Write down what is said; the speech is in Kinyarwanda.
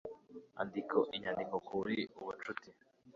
Andika inyandiko kuri Ubucuti